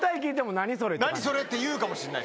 何それって言うかもしれない。